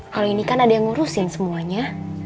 kalau ini kan ada yang ngurusin semuanya